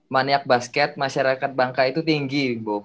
maniak basket masyarakat bangka itu tinggi